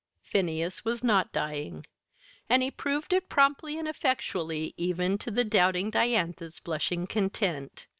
Phineas was not dying, and he proved it promptly and effectually, even to the doubting Diantha's blushing content.